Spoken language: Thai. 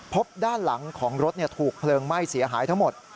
พบด้านหลังของรถถูกเพลิงไหม้เสียหายทั้งหมด